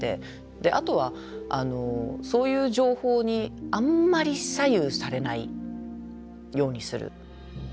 であとはそういう情報にあんまり左右されないようにする。